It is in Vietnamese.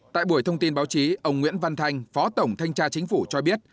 tại buổi thông tin báo chí ông nguyễn văn thanh phó tổng thanh tra chính phủ cho biết